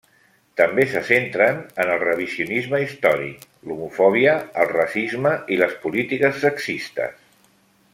També se centren en el revisionisme històric, l'homofòbia, el racisme i les polítiques sexistes.